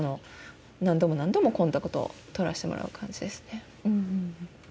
何度も何度もコンタクトを取らしてもらう感じですね